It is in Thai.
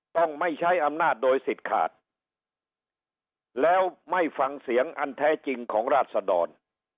ต้องไม่ใช้อำนาจโดยสิทธิ์ขาดแล้วไม่ฟังเสียงอันแท้จริงของราชดร